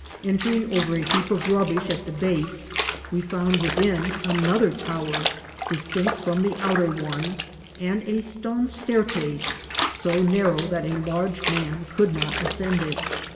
Entering over a heap of rubbish at the base, we found within another tower, distinct from the outer one, and a stone staircase, so narrow that a large man could not ascend it.